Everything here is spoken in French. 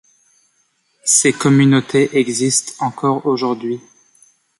Ces communautés existent encore aujourd’hui.